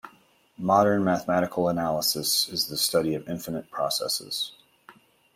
Modern mathematical analysis is the study of infinite processes.